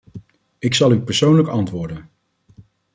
Ik zal u persoonlijk antwoorden.